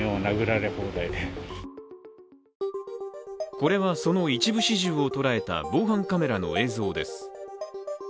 これは、その一部始終を捉えた防犯カメラの映像です。